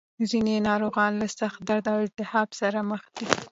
ځینې ناروغان له سخت درد او التهاب سره مخ دي.